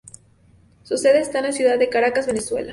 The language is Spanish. Su sede está en la ciudad de Caracas, Venezuela.